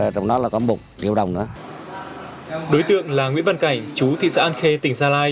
tạm chú phường nguyễn văn cử tp quy nhơn